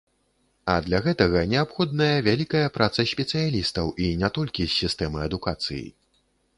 А для гэтага неабходная вялікая праца спецыялістаў, і не толькі з сістэмы адукацыі.